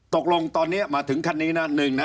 ตกลงตอนนี้มาถึงคันนี้นะหนึ่งนะ